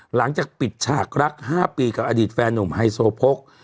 หลังจากปิดฉากรัก๕ปีกับอดีตแฟนหนุ่มไฮโซโพก